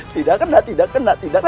tidak kena tidak kena tidak kena